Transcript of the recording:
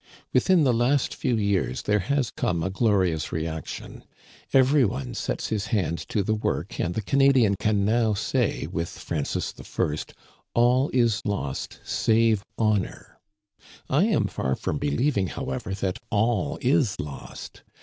Within the last few years there has come a glorious reaction. Every one sets his hand to the work and the Canadian can now say with Francis I, " All is lost save honor." I am far from believing, however, that all is lost.